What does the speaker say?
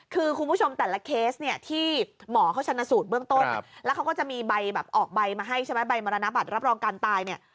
คือคุณผู้ชมแต่ละเคสว่าหมอเขาชั้นอสูตรเมืองต้น